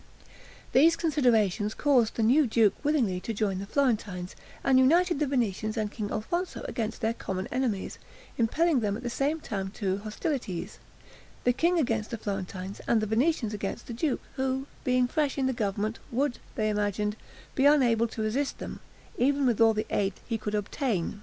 These considerations caused the new duke willingly to join the Florentines, and united the Venetians and King Alfonso against their common enemies; impelling them at the same time to hostilities, the king against the Florentines, and the Venetians against the duke, who, being fresh in the government, would, they imagined, be unable to resist them, even with all the aid he could obtain.